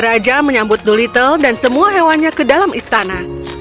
raja menyambut dolittle dan semua hewannya ke dalam istana